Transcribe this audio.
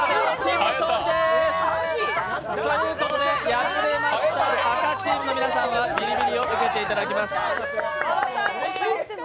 敗れました赤チームの皆さんはビリビリを受けていただきます。